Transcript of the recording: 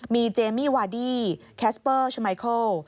มีเจมี่วาดี้แคสเปอร์ชมัยเคิล